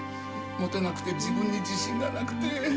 モテなくて自分に自信がなくて。